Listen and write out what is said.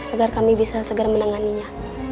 agar kami bisa segera menanganinya